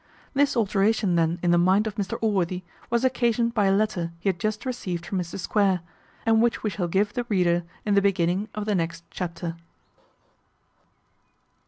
This alteration then in the mind of Mr Allworthy was occasioned by a letter he had just received from Mr Square, and which we shall give the reader in the beginning of the next chapter.